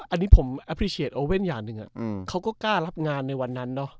อันนี้ผมแอปพลิเคชโอเว่นอย่างหนึ่งเขาก็กล้ารับงานในวันนั้นเนอะ